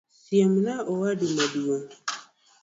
Siem na owadu maduong'